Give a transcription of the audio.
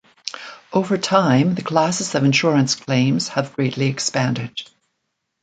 Over time, the classes of insurance claims have greatly expanded.